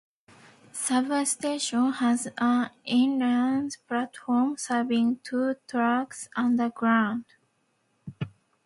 Subway station has an island platform serving two tracks underground.